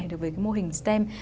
được với mô hình stem